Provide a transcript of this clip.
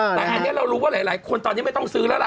แต่อันนี้เรารู้ว่าหลายคนตอนนี้ไม่ต้องซื้อแล้วล่ะ